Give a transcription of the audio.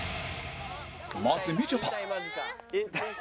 まずみちょぱ